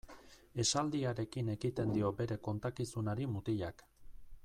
Esaldiarekin ekiten dio bere kontakizunari mutilak.